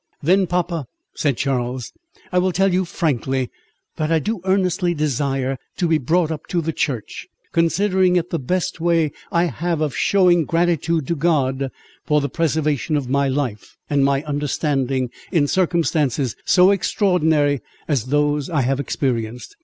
"Then, papa," said Charles, "I will tell you frankly, that I do earnestly desire to be brought up to the Church, considering it the best way I have of shewing gratitude to God, for the preservation of my life and my understanding, in circumstances so extraordinary as those I have experienced.